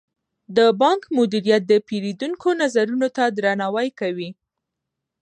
د بانک مدیریت د پیرودونکو نظرونو ته درناوی کوي.